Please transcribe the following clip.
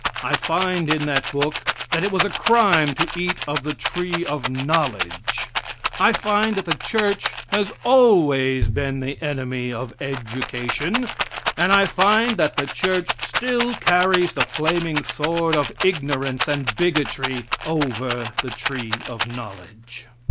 I find in that book that it was a crime to eat of the tree of knowledge. I find that the church has always been the enemy of education, and I find that the church still carries the flaming sword of ignorance and bigotry over the tree of knowledge.